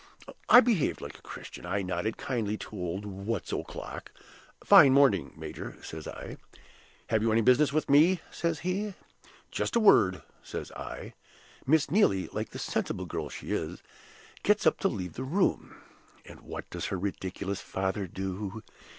I behaved like a Christian; I nodded kindly to old What's o'clock 'Fine morning, major,' says I. 'Have you any business with me?' says he. 'Just a word,' says I. Miss Neelie, like the sensible girl she is, gets up to leave the room; and what does her ridiculous father do?